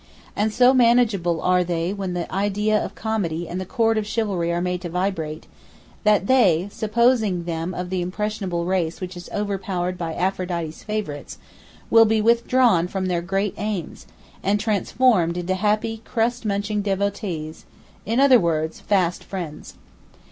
And so manageable are they when the idea of comedy and the chord of chivalry are made to vibrate, that they (supposing them of the impressionable race which is overpowered by Aphrodite's favourites) will be withdrawn from their great aims, and transformed into happy crust munching devotees—in other words, fast friends.